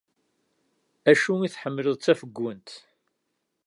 Acu i tḥemmleḍ d tafeggunt?